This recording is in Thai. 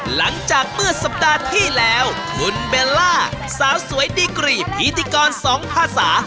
หลังจากเมื่อสัปดาห์ที่แล้วคุณเบลล่าสาวสวยดีกรีพิธีกรสองภาษา